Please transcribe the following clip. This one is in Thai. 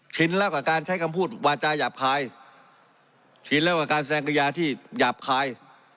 แล้วกับการใช้คำพูดวาจาหยาบคายชินแล้วกับการแสดงกริยาที่หยาบคาย